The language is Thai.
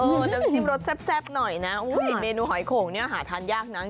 น้ำจิ้มรสแซ่บหน่อยอีกเมนูไหลของเนี่ยหาทานยากจริง